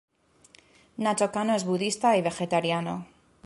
Nacho Cano es budista y vegetariano.